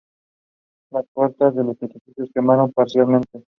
Las puertas del edificio se quemaron parcialmente.